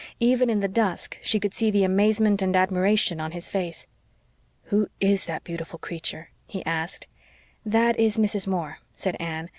Even in the dusk she could see the amazement and admiration on his face. "Who is that beautiful creature?" he asked. "That is Mrs. Moore," said Anne.